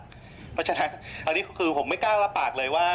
เพราะฉะนั้นอันนี้คือผมไม่กล้ารับปากเลยว่า